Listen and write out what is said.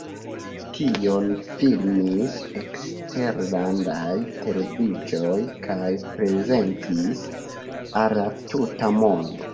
Tion filmis eksterlandaj televidoj kaj prezentis al la tuta mondo.